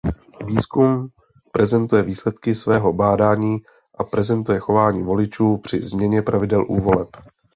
Výzkum prezentuje výsledky svého bádání a prezentuje chování voličů při změně pravidel u voleb.